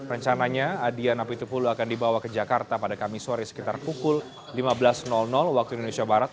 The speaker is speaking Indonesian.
rencananya adian apitupulu akan dibawa ke jakarta pada kamis sore sekitar pukul lima belas waktu indonesia barat